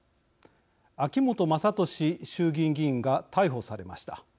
秋本真利衆議院議員が逮捕されました。